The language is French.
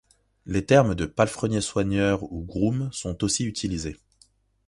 Les termes de palefrenier-soigneur ou groom sont aussi utilisés.